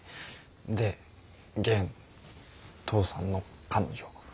で現父さんの彼女。